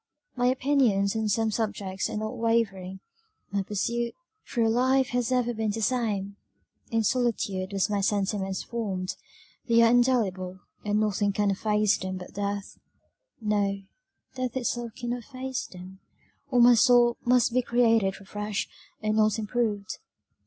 "My opinions on some subjects are not wavering; my pursuit through life has ever been the same: in solitude were my sentiments formed; they are indelible, and nothing can efface them but death No, death itself cannot efface them, or my soul must be created afresh, and not improved.